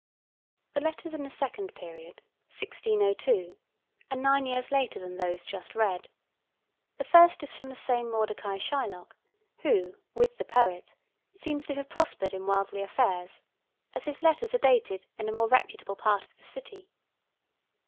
The letters in the second period (1602) are nine years later than those just read. The first is from the same Mordecai Shylock, who, with the poet, seems to have prospered in worldly affairs, as his letters are dated in a more reputable portion of the city.